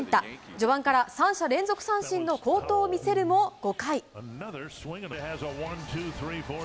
序盤から三者連続三振の好投を見せるも、５回。